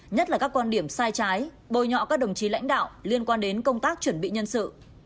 nhất là các quan điểm sai trái bôi nhọ các đồng chí lãnh đạo liên quan đến công tác chuẩn bị nhân sự